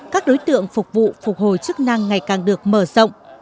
các đối tượng phục vụ phục hồi chức năng ngày càng được mở rộng